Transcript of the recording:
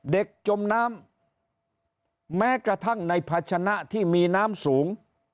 จมน้ำแม้กระทั่งในภาชนะที่มีน้ำสูง